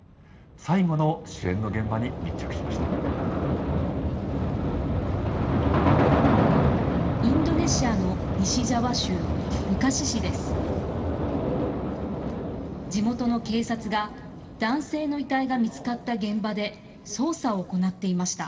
最後の支援の現場に密着しました。